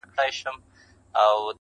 پر بای مي لود خپل سر، دین و ایمان مبارک